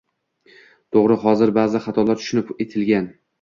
To`g`ri, hozir ba`zi xatolar tushunib etilgan